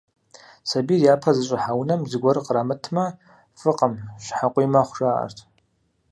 Сабийр япэ зыщӀыхьа унэм зыгуэр кърамытмэ, фӀыкъым, щхьэкъуий мэхъу, жаӀэрт.